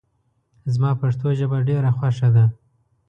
زما پښتو ژبه ډېره خوښه ده